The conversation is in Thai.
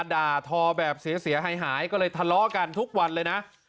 ด่าทอแบบเสียหายก็เลยทะเลาะกันทุกวันเลยนะ